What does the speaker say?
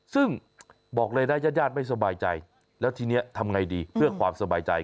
ซึ่งบอกเลยนะญาติญาติไม่สบายใจแล้วทีนี้ทำไงดีเพื่อความสบายใจ